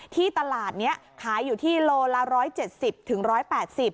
ที่ตลาดนี้ขายอยู่ที่โลละ๑๗๐ถึง๑๘๐บาท